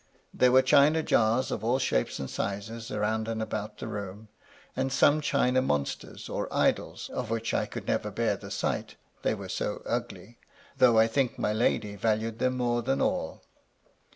There were chuia jars of all shapes and sizes round and about the room, and some china monsters, or idols, of which I could never bear the sight, they were so ugly, though I think my lady valued them more than all.